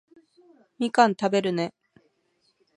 みかん食べるね